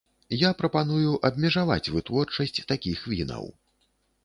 Я прапаную абмежаваць вытворчасць такіх вінаў.